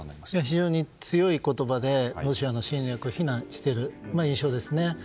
非常に強い言葉でロシアの侵略を非難している印象ですね。